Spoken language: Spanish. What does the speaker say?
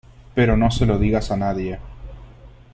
pero no se lo digas a nadie .